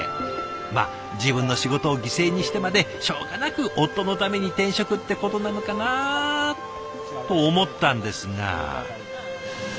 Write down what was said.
まあ自分の仕事を犠牲にしてまでしょうがなく夫のために転職ってことなのかなと思ったんですが。